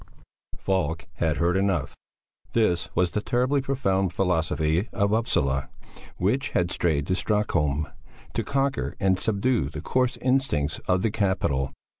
Falk had heard enough; this was the terribly profound philosophy of Upsala, which had strayed to Stockholm to conquer and subdue the coarse instincts of the capital.